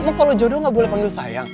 lo kalau jodoh gak boleh panggil sayang